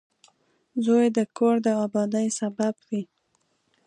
• زوی د کور د آبادۍ سبب وي.